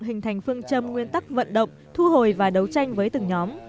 hình thành phương châm nguyên tắc vận động thu hồi và đấu tranh với từng nhóm